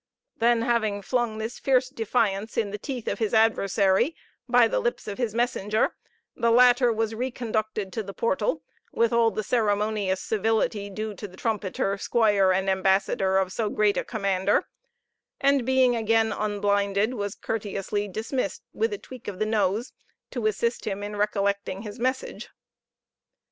Then having flung a fierce defiance in the teeth of his adversary, by the lips of his messenger, the latter was reconducted to the portal, with all the ceremonious civility due to the trumpeter, squire, and ambassador, of so great a commander; and being again unblinded, was courteously dismissed with a tweak of the nose, to assist him in recollecting his message.